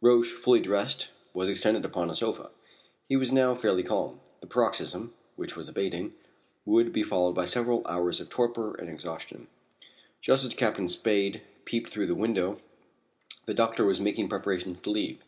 Roch, fully dressed, was extended upon a sofa. He was now fairly calm. The paroxysm, which was abating, would be followed by several hours of torpor and exhaustion. Just as Captain Spade peeped through the window the doctor was making preparations to leave.